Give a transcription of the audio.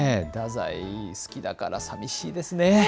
太宰、好きだからさびしいですね。